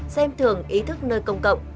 xem thường ý thức nơi công cộng